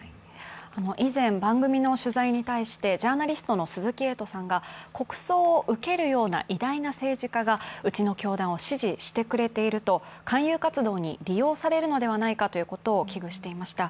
以前、番組の取材に対して、ジャーナリストの鈴木エイトさんが国葬を受けるような偉大な政治家がうちの教団を支持してくれていると勧誘活動に利用されるのではないかということを危惧していました。